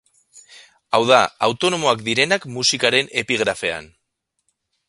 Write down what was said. Hau da, autonomoak direnak musikaren epigrafean.